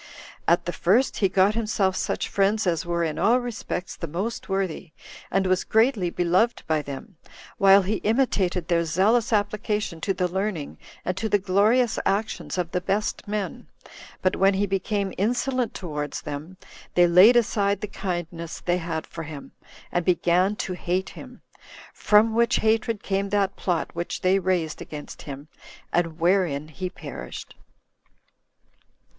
At the first he got himself such friends as were in all respects the most worthy, and was greatly beloved by them, while he imitated their zealous application to the learning and to the glorious actions of the best men; but when he became insolent towards them, they laid aside the kindness they had for him, and began to hate him; from which hatred came that plot which they raised against him, and wherein he perished.